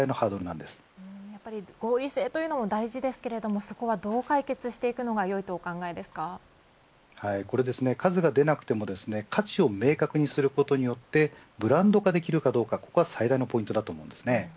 やっぱり合理性というのは大事ですけど、そこはどうやって解決していくのがこれ数が出なくても価値を明確にすることによってブランド化できるかどうかここが最大のポイントだと思います。